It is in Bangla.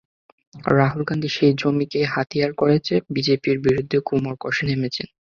রাহুল গান্ধী সেই জমিকেই হাতিয়ার করে বিজেপির বিরুদ্ধে কোমর কষে নেমেছেন।